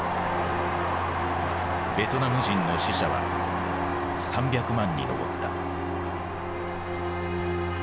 ベトナム人の死者は３００万に上った。